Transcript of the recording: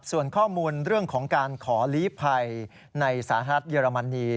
ส่วนข้อมูลเรื่องของการขอลีภัยในสหรัฐเยอรมนี